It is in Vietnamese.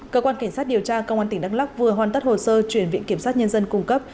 cơ quan cảnh sát điều tra công an tỉnh đắk lắk vừa hoàn tất hồ sơ chuyển viện kiểm sát nhân dân cung cấp